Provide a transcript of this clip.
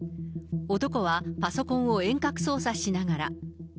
男はパソコンを遠隔操作しながら。